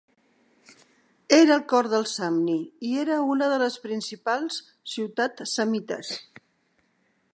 Era al cor del Samni i era una de les principals ciutat samnites.